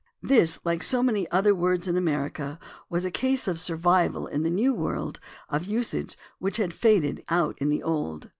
This, like so many other words in America, was a case of survival in the New World of a usage which had faded out in the Old.